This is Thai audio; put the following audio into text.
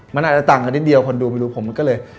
มันอาจจะต่างกันนิดเดียวคนดูไม่รู้ผมมันก็เลย